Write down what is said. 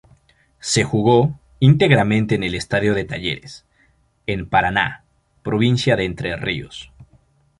Se jugó íntegramente en el Estadio de Talleres, en Paraná, provincia de Entre Ríos.